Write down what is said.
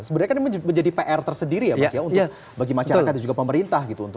sebenarnya kan menjadi pr tersendiri ya mas ya untuk bagi masyarakat dan juga pemerintah gitu